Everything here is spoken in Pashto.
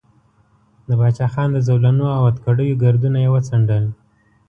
د باچا خان د زولنو او هتکړیو ګردونه یې وڅنډل.